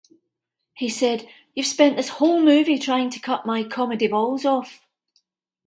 He said, 'You've spent this whole movie trying to cut my comedy balls off.